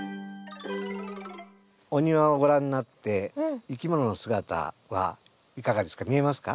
お庭をご覧なっていきものの姿はいかがですか？